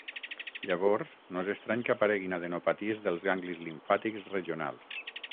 Llavors no és estrany que apareguin adenopaties dels ganglis limfàtics regionals.